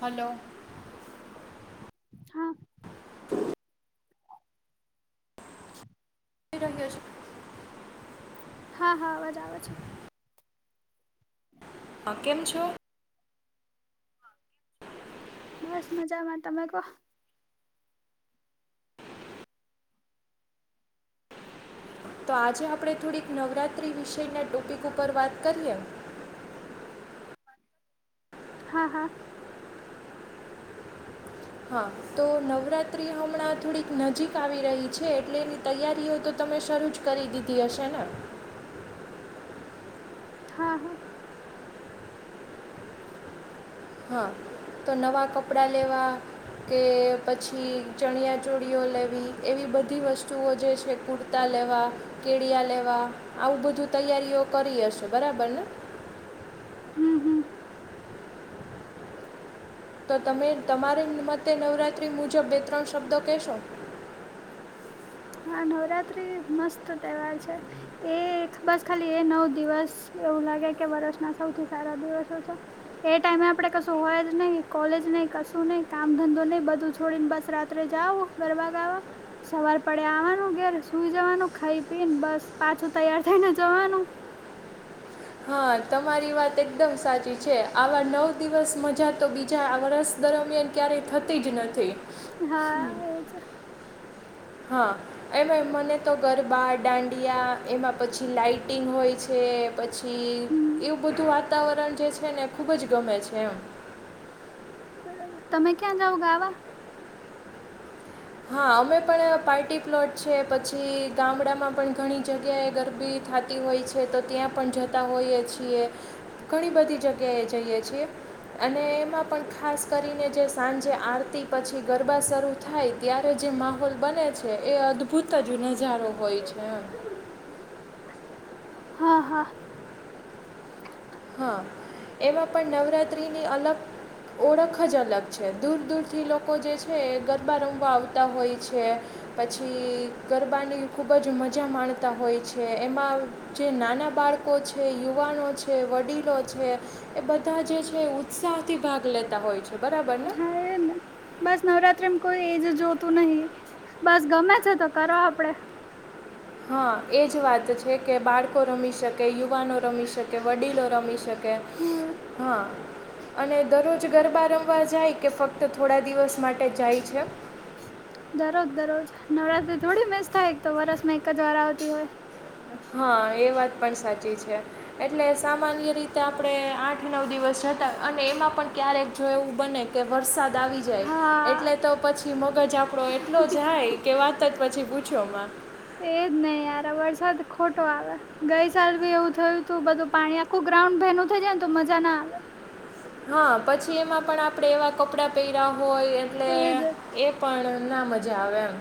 Hello. હા [inaudible] રહ્યો છે. હા હા અવાજ આવે છે. હા કેમ છો? બસ મજામાં તમે કહો? તો આજે આપણે થોડીક નવરાત્રિ વિષયના ટોપિક ઉપર વાત કરીએ. હા હા હા તો નવરાત્રિ હમણાં થોડીક નજીક આવી રહી છે. એટલે એની તૈયારીઓય તો તમે શરૂ જ કરી દીધી હશે ને. હા હા હા તો નવા કપડાં લેવા કે પછી ચણિયા ચોલિ ઓ લેવી એવી બધી વસ્તુઓ જે છે કુર્તા લેવા કેળિયા લેવા આવું બધું તૈયારીઓ કરી હશે બરાબર ને. હમ હમ તો તમે તમારી મતે નવરાત્રિ મુજબ બે ત્રણ શબ્દો કહેશો? હા નવરાત્રી મસ્ત તહેવાર છે. એ એખ બસ ખાલી એ નવ દિવસ એવું લાગે કે વર્ષના સૌથી સારા દિવસો છે. એ ટાઈમે આપડે કશું હોય જ નહી કોલેજ નહી કશું નઈ કામ ધંધો નઈ બધું છોડીને બસ રા જાવ ગરબ ગાવા સવાર ઘર આવાનું ઘેર સુઈ જવાનું ખાઈ પી ને બસ પાછું તૈયાર થઈને જવાનું. હા તમારી વાત એકદમ સાચી છે. આવા નવ દિવસ મજા તો બીજા આ વર્ષ દરમિયાન ક્યારેય થતી જ નથી. હા, એજ. હા. એમાં મને તો ગરબા, દાંડિયા એમાં પછી લાાઈટિંગ હોય છે. પછી હમ એવું બધું વાતાવરણ જે છે ને, ખુબ જ ગમે છે એમ. બરાબર. તમે ક્યાં જાવ ગાવા? હા, અમે પણ પાર્ટી પ્લોટ છે. પછી ગામડામાં પણ ઘણી જગ્યાએ ગરબી થાતી. હોય છે, તો ત્યાં પણ જતા હોઈએ છીએ. ઘણી બધી જગ્યાએ જઈએ છીએ. અને એમાં પણ ખાસ કરીને જે સાંજે આરતી પછી ગરબા શરૂ થાય ત્યારે જે માહોલ બને છે. એ અદ્ભુત જ નજારો હોય છે એમ. હા, હા. હા, એમાં પણ નવરાત્રી ની અલગ ઓળખ જ અલગ છે. દૂર દૂરથી લોકો જે છે, ગરબા રમવા આવતા હોય છે. પછી ગરબાની ખુબ જ મજા માણતા હોય છે. એમાં જે નાના બાળકો છે, યુવાનો છે. છે, વડીલો છે એ બધા જે છે, એ ઉત્સાહથી ભાગ લેતા હોય છે. બરાબર ને. હા એ ને બસ નવરાત્રીમાં કોઈ એજ જોતું નહીં. બસ ગમે છે તો કરવા આપડે. હા, એજ વાત છે. કે બાળકો રમી શકે, યુવાનો રમી શકે, વડીલો રમી શકે. હમ હા. અને દરરોજ ગરબા રમવા જાય કે ફક્ત થોડા દિવસ માટે જાય છે? દરોજ દરરોજ નવરાત્રી થોડી મીસ થાય. એક તો વર્ષ માં એક જ વાર આવતી હોય. હા, એ વાત પણ સાચી છે. એટલે સામાન્ય રીતે આપણે આઠ-નવ દિવસ જતા. અને એમાં પણ ક્યારેક જો એવું બને કે વરસાદ આવી. જાય હા એટલે તો પછી મગજ આપડો એટલો જાય કે વાત જ પછી પૂછ્યોમાં એજ નહીં યાર, વરસાદ ખોટો આવે. ગઈ સાલ ભી એવું થયું તું. બધું પાણી આખું ગ્રાઉન્ડ ભેનુથઈ જાય ને, તો મજા ના આવે. હા, પછી એમાં પણ આપણે એવા કપડા પહેર્યા હોય એટલે એજ એક પણ ના મજા આવે એમ.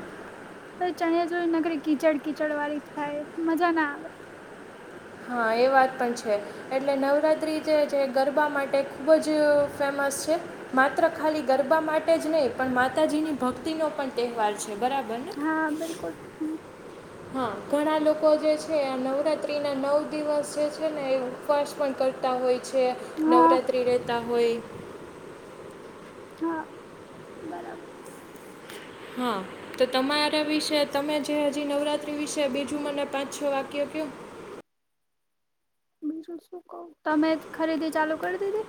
તો ચણિયા ચોળી નગરી કીચડ-કીચડ વાળી થાય, મજા ના આવે. હા, એ વાત પણ છે. એટલે નવરાત્રી જે જે ગરબા માટે ખૂબ જ ફેમસ છે. માત્ર ખાલી ગરબા માટે જ નહીં, પણ માતાજીની ભક્તિ નો પણ તહેવાર છે. બરાબર ને? હા, બિલકુલ. હા, ઘણા લોકો જે છે, આ નવરાત્રત્રીના નવ દિવસ જે છે ને, એ ઉપવાસ પણ કરતા હોય છે, હા નવરાત્રિ રહેતા હોય. હા, બરાબર. હા. તો તમારા વિશે તમે જે હજી નવરાત્રી વિશે બીજું મને પાંચ- છ વાક્ય ક બીજું શું કેવું? તમે ખરીદી ચાલુ કરી દીધી.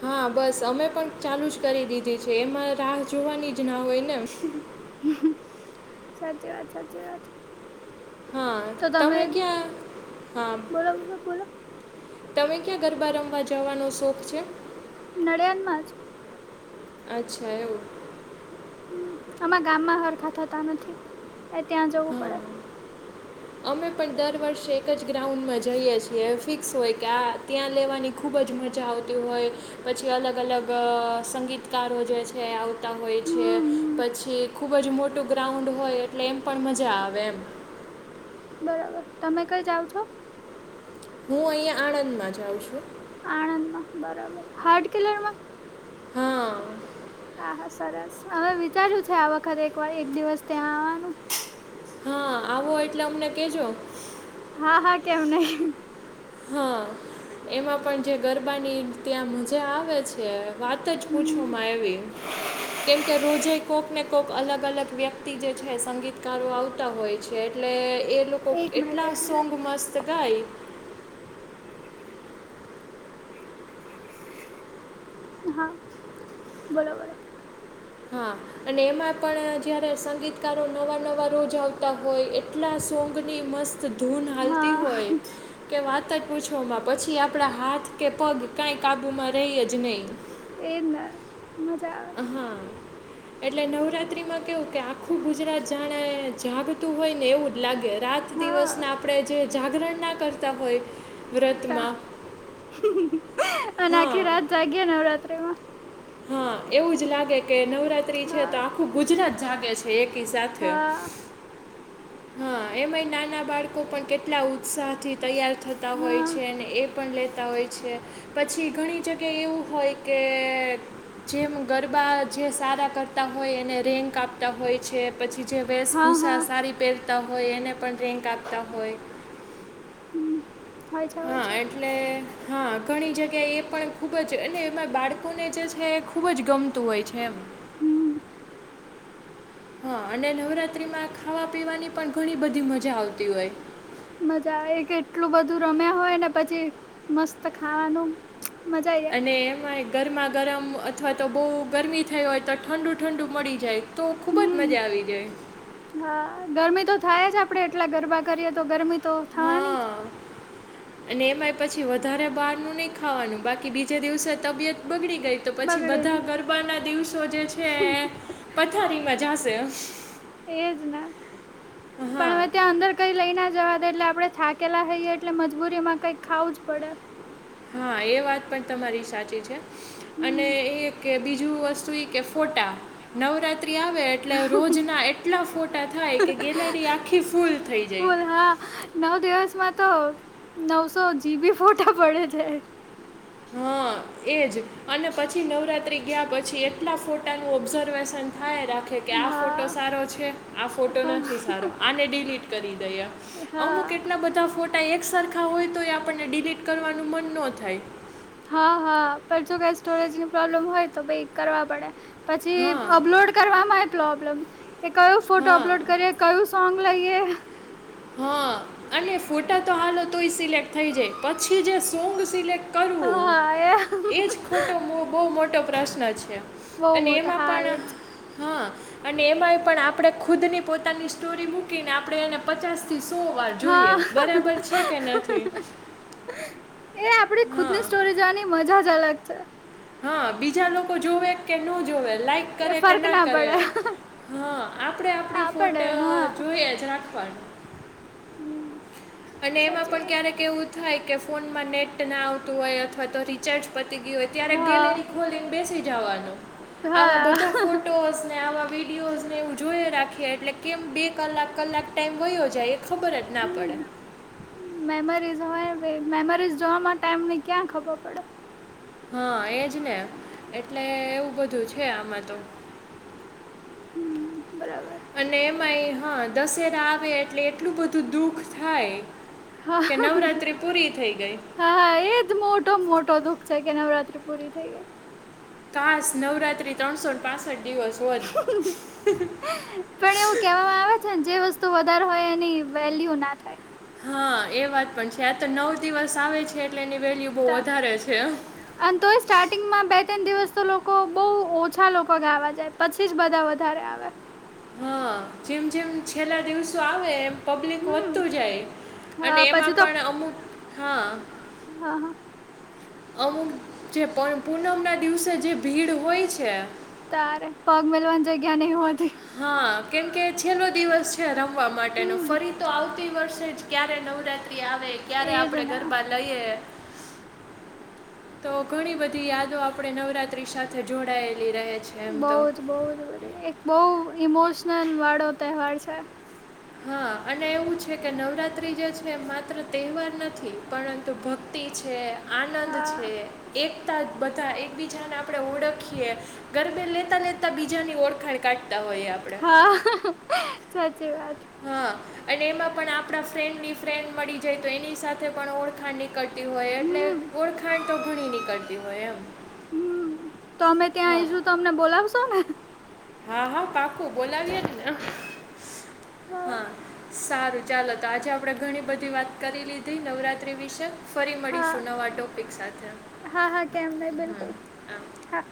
હા યર બસ અમે પણ ચાલુ જ કરી દીધી છે. એમાં રાહ જોવાની જ ના હોય ને? સાચી વાત, સાચી વાત. હા, તમે ક્યાં હા? બોલો બોલો બોલો તમે ક્યાં ગરબા રમવા જવાનો શોખ છે? નડિયાનમાં જ. અચ્છા, એવું. હમ આમાં ગામમાં સરરખા થતા નથી, એ ત્યાં જવું પડે. હા અમે પણ દર વર્ષે એક જ ગ્રાઉન્ડમાં જઈએ છીએ. ફિક્સ હોય કે આ? ત્યાં લેવાની ખૂબ જ મજા આવતી હોય. પછી અલગ- અલગ સંગીત. ચકારો જે છે એ આવતા હોય છે. હમ હમ પછી ખુબ જ મોટું ગ્રાઉન્ડ હોય એટલે એમ પણ મજા આવે એમ. બરાબર તમે કઈ જાઓ છો? હું અહિયાં આણંદમાં જાઉં છું. આણંદ માં. બરાબર હાર્ડ કિલર માં? હા. હા હા સરસ હવે વિચાર્યું છે આ વખતે એક વાર એક દિવસ ત્યાં આવવાનું. હા આવો એટલે અમને કહેજો. હા હા કેમ નહી. હા. એમાં પણ જે ગરબાની ત્યાં મજા આવે છે વાત જ હમ પૂછવામાં આવી કેમ કે રોજે કોક ને કોક અલગ અલગ વ્યક્તિ જે છે સંગીતકારો આવતા હોય છે એટલે એ લોકો એક મિનિટ એટલા એક સોંગ મિનિટ મસ્ત ગાય. હા બોલો બોલો. હા. અને એમાં પણ જ્યારે સંગીતકારો નવા નવા રોજ આવતા હોય એટલા સોંગની મસ્ત ધૂન હાલતી હા હોય કે વાત જ પૂછવામાં પછી આપણા હાથ કે પગ કાંઈ કાબૂમાં રેય જ નહીં. એ ના મજા. હા. એટલે નવરાત્રી માં કેવું કે આખું ગુજરાત જાણે જાગતું હોય ને એવું જ લાગે. રાત હા દિવસને આપણે જે જાગરણ ના કરતા હોય ઉ વ્રતમાં અને આખી હા રાત જાગ્યે નવરાત્ર્રી માં. હા એવું જ લાગે કે નવરાત્રી છે તો હા આખું ગુજરાત જાગે છે એકી સાથે. હા હા એ નાની [unintelligible] ના બાળકો પણ કેટલા ઉત્સાહથી તૈયાર થતા હોય હા છે. અને એ પણ લેતા હોય છે પછી ઘણી જગ્યાએ એવું હોય કે જેમ ગરબા જે સારા કરતા હોય એને રેન્ક આપ હોય છે પછી જે હા હા વેશભૂસાા સારી પહેરતા હોય એને પણ રેન્ક આપતા હોય. હમ હોય છે હોય છે. અને હા ઘણી જગ્યાએ એ પણ ખૂબ જ અને એમાં બાળકોને જે છે એ ખૂબ જ ગમતું હોય છે. હમ હા અને નવરાત્રીમાં ખાવા પીવાની પણ ઘણી બધી મજા આવતી હોય. મજા આવે કે એટલું બધું રમ્યા હોય ને પછી મસ્ત ખાવાનું મજા આવી. અને એમાં ગરમા ગરમ અથવા તો બહુ ગરમી થઈ હોય તો ઠંડુ ઠંડુ મળી જાય તો ખુબ જ મજા હમ આવી જાય. હા ગરમી તો થાય જ આપડે એટલા ગરબા કરીએ તો ગરમી તો થવાની જ. હા અને એમાંય પછી વધારે બહાર નું નહી ખાવાનું બાકી બીજે દિવસે તબિયત બગડી ગઈ તો જ પછી બગડે બધા ગરબાના દિવસો જે છે પથારીમાં જશે. એજ ને. હમ્મ. પણ હવે ત્યાં અંદર કઈ લઈ ના જવા દે એટલે આપડણે થાકેલા થઈએ એટલે મજબૂરીમાં કંઈક ખાવું જ પડે. હા એ વાત પણ તમારી સાચી છે. હમ અને એ કે બીજું વસ્તુ એ કે ફોટા નવરાત્રી આવે એટલે રોજના એટલા ફોટા થાય કે ગેલેરી આખી ફૂલ થઈ જાય. ફૂલ હા. નવ દિવસમાં તો નવસો જીબી ફોટા પડે છે. [unintelligible] એ જ અને પછી નવરાત્રિ ગયા પછી એટલા ફોટાનું ઓબ્ઝર્વેશન થાય રાખે કે આ ફોટો હા સારો છે આ ફોટો હા નથી સારો આને ડિલીટ કરી દઈએ. અમુક હા એટલા બધા ફોટા એક સરખા હોય તો એ આપણને ડિલીટ કરવાનું મન ન થાય. હા હા પણ જો કઈ સ્ટોરેજની પ્રોબ્લેમ હોય તો ભાઈ કરવા પડે. પછી હા અપલોડ કરવાવામાં આવે પ્રોબ્લેમ કે કયો ફોટો હા અપલોડ કરીએ કયું સોંગ લઈએ. હા અને ફોટા તો હાલો તોય સિલેક્ટ થઈ જાય પછી જે સોંગ સિલેક્ટ કરું. હા એ એજ ખોટો બહુ મોટો પ્રશ્ન છે બહુ અને મોટા એમાં હા પણ એજ હા અને એમાંય પણ આપણે ખુદ ની પોતાની સ્ટોરી મૂકીને આપણે એને પચાસ થી સો વાર જોઈએ હા બરાબર છે કે નથી. એ આપડી ખુદ હા ની સ્ટોરી જોવાની મજા જ અલગ છે. હા બીજા લોકો જોવે કે ન જોવે લાઈક એ કરે કે ફર્ક ના કરે પડે હા આપડે આપડી આ ફોટ પડે હા જોઈએ જ રાખવાનું. હમ્મ. અને એમાં પણ ક્યારેક એવું થાય કે ફોનમાં નેટ ના આવતું હોય અથવા તો રી ચાર્જ પતી ગયું હોય ત્યારે ગેલેરી હા ખોલીને બેસી જવાનું. આવા હા બધા ફોટોસ ને આવા વિડીયોઝને હું જોઈ રાખીએ એટલે કેમ બે કલાક કલાક ટાઈમ વયો જાય. ખબર જ ના હમ પડે. મેમરીઝ હોય મેમરીઝ જોવા માટે ટમને ક્યાં ખબર પડે. હા એજ ને એટલે એવું બધું છે આમાં તો. હમ બરાબર અને એમાં હા દશેરા આવે એટલે એટલું બધું દુખ થાય કે નવરાત્રી પૂરી થઈ ગઈ. હા હા એજ મોટો મોટો દુઃખ છેાય કે નવરાત્રી પૂરી થઈ ગય. ખાસ નવરાત્રી ત્રણસોઠ પાસઠ દિવસ હોય. પણ એવું કહેવામાં આવે જે વસ્તુ વધારે હોય એની વેલ્યુ ના થાય. હા એ વાત પણ છે આ તો નવ દિવસ આવે છે એટલે એની વેલ્યુ બહુ વધારે છે. અને તોય સ્ટાર્ટિંગમાં બે ત્રણ દિવસ તો લોકો બહુ ઓછા લોકો ગાવા જાય પછી જ બધા વધારે આવે. હા જેમ જેમ છેલ્લા દિવસો આવે એમ પબ્લિક હમ વધતું જાય અને હા એમાં પછી તો પણ અમુક હા. હા હા. અમુક જે પૂનમ ના દિવસે જે ભીડ હોય છે. તારે પગ મેલવાની જગ્યા નહ હોતી. હા કેમકે છેલ્લો દિવસ છે રમવા માટેનો હમ ફરી તો આવતી વર્ષે જ ક્યારે નવરાત્રી આવે ક્યારે એજ આપણે ને ગરબા તો ઘણી બધી યાદો આપણેે નવરાત્રી સાથે તો જોડાે એલી રહેે છે. એમ બઉ તો જ બહ જ એક બઉ ઇમોશનલ વાળો તહેવાર છે. હા. અને એવું છે કે નવરાત્રિ જે છે માત્ર તહેવાર નથી પરંતુ ભક્તિ છે. આનંદ હા છે એકતા બધા એકબીજાને આપણે ઓળખીએ ગરબે લેતા લેતા બીજાની ઓળખાણ કાઢતા હોય એ આપડે. હા સાચી વાત છે. હા અને એમાં પણ આપણા ફ્રેન્ડની ફ્રેન્ડ મળી જાય તો એની સાથે પણ ઓળખાણ નિકળી જાય. કતી હોય એટલે હમ ઓળખાણ તો ઘણી નીકળતી હોય એમ. હમ તો તમે ત્યાં હા આઈશું તો તમને બોલાવશો ને. હા હા પાકું બોલાવીય ને હા. સારું ચાલો તો આજે આપણે ઘણી બધી વાત કરી લીધી નવરાત્રિ વિશે. ફરી હા મળીશું નવા ટોપિક સાથે હા હા કેમ નહી હમ્મ. બિલકુલ હા